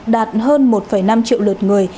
đạt hơn một năm triệu lượt người